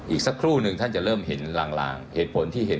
อีกสักครู่หนึ่งท่านจะเริ่มเห็นลางเหตุผลที่เห็น